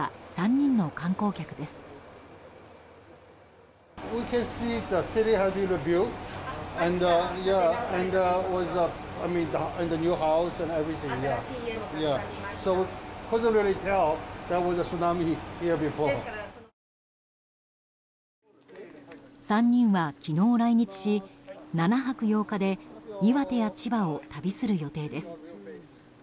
３人は昨日来日し７泊８日で岩手や千葉を旅する予定です。